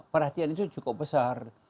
perhatian itu cukup besar